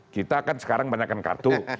kita kan sekarang banyakkan kartu